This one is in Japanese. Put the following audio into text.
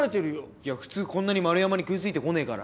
いや普通こんなに丸山に食いついてこねえから。